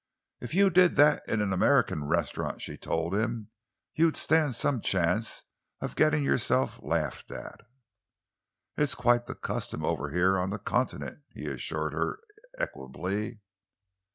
"If you did that in an American restaurant," she told him, "you'd stand some chance of getting yourself laughed at." "It's quite the custom over here and on the Continent," he assured her equably.